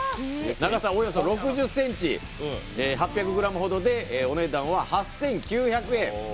長さおよそ６０ｃｍ、８００ｇほどでお値段８９００円。